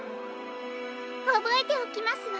おぼえておきますわ。